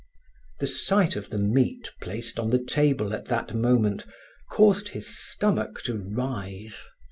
The sight of the meat placed on the table at that moment caused his stomach to rise.